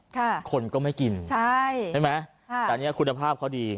คนก็ไม่กินใช่ใช่ไหมค่ะแต่อันนี้คุณภาพเขาดี